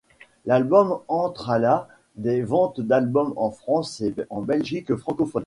L'album entre à la des ventes d'album en France et en Belgique francophone.